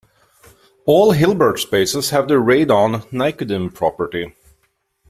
All Hilbert spaces have the Radon-Nikodym property.